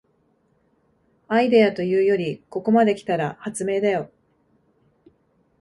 アイデアというよりここまで来たら発明だよ